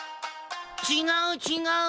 ちがうちがう。